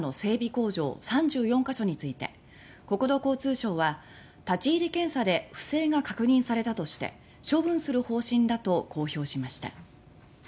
工場３４か所について国土交通省は立ち入り検査で不正が確認されたとして処分する方針だと公表しました。